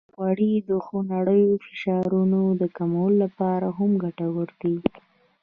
غوړې د خونړیو فشارونو د کمولو لپاره هم ګټورې دي.